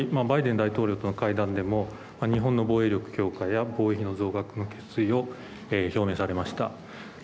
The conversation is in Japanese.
総理、バイデン大統領との会談でも日本の防衛力強化や防衛費の増額の決意を表明されました。